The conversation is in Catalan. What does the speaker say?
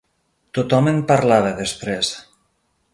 Tothom en parlava, després.